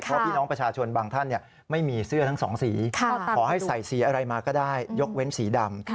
เพราะพี่น้องประชาชนบางท่านไม่มีเสื้อทั้งสองสีขอให้ใส่สีอะไรมาก็ได้ยกเว้นสีดำ